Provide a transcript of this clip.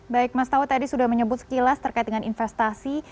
baik mas tawo tadi sudah menyebut sekilas terkait dengan investasi